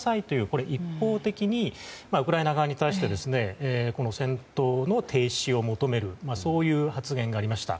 これ一方的にウクライナ側に対して戦闘の停止を求めるそういう発言がありました。